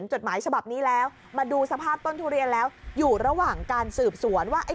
จดหมายฉบับนี้แล้วมาดูสภาพต้นทุเรียนแล้วอยู่ระหว่างการสืบสวนว่าไอ้